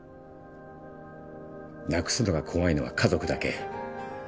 なくすのが怖いのは家族だけ。